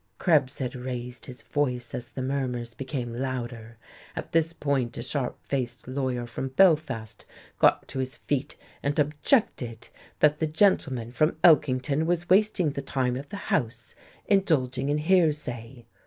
Krebs had raised his voice as the murmurs became louder. At this point a sharp faced lawyer from Belfast got to his feet and objected that the gentleman from Elkington was wasting the time of the House, indulging in hearsay.